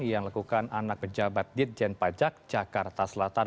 yang lakukan anak pejabat ditjen pajak jakarta selatan